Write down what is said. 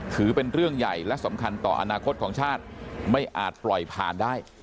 ถือเป็นเรื่องใหญ่และสำคัญต่ออนาคตของชาติไม่อาจปล่อยผ่านได้